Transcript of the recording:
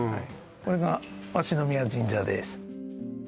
これが鷲宮神社です